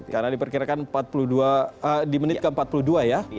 karena diperkirakan empat puluh dua di menit ke empat puluh dua ya